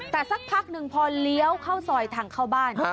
แต่สักพักหนึ่งพอเลี้ยวเข้าซอยทางเข้าบ้าน